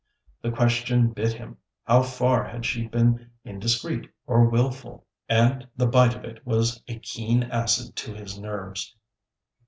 The question bit him: How far had she been indiscreet or wilful? and the bite of it was a keen acid to his nerves.